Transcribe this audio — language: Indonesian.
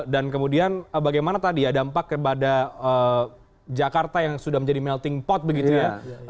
dan kemudian bagaimana tadi ya dampak kepada jakarta yang sudah menjadi melting pot begitu ya